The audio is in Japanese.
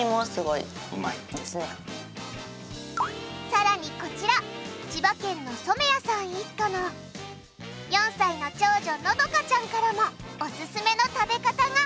さらにこちら千葉県の染谷さん一家の４歳の長女のどかちゃんからもオススメの食べ方が。